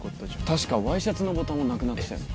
確かワイシャツのボタンもなくなってたよ